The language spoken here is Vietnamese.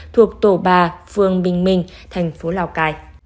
thuộc tổ ba phường bình minh thành phố lào cai